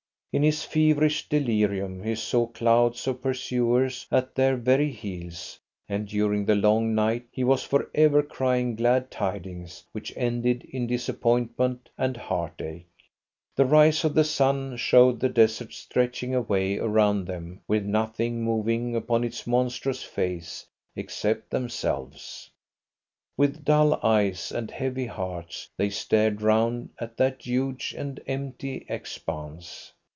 In his feverish delirium he saw clouds of pursuers at their very heels, and during the long night he was for ever crying glad tidings which ended in disappointment and heartache. The rise of the sun showed the desert stretching away around them with nothing moving upon its monstrous face except themselves. With dull eyes and heavy hearts they stared round at that huge and empty expanse.